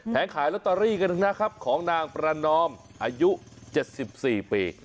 ขายลอตเตอรี่กันนะครับของนางประนอมอายุ๗๔ปี